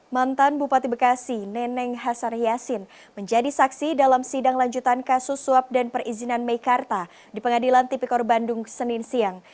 mantan bupati bekasi neneng hasan yasin menjadi saksi dalam sidang lanjutan kasus suap dan perizinan meikarta di pengadilan tipikor bandung senin siang